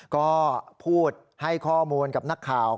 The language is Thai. ก็พูดให้ข้อมูลกับนักข่าว